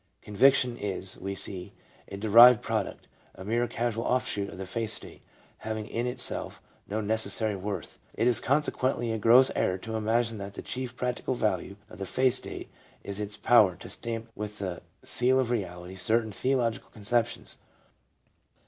" Conviction " is, we see, a derived product, a mere casual off shoot of the faith state, having in itself no necessary worth. It is consequently a gross error to imagine that the chief practical value of the faith state is its power to stamp with the seal of reality certain theological concep tions.